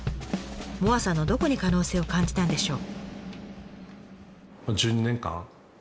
萌彩さんのどこに可能性を感じたんでしょう？